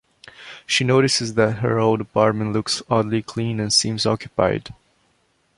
She notices that her old apartment looks oddly clean and seems occupied.